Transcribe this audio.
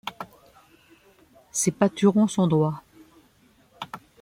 Ses paturons sont droits.